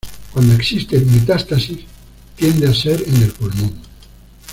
Cuando existe metástasis tiende a ser en el pulmón.